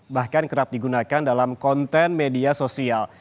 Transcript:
bahkan kerap digunakan dalam konten media sosial